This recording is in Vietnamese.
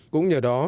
cũng nhờ đó